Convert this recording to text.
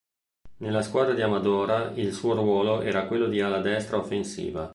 Nella squadra di Amadora il suo ruolo era quello di ala destra offensiva.